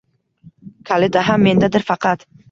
Kaliti ham mendadir faqat